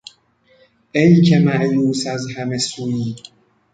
ایکه مایوس از همه سویی...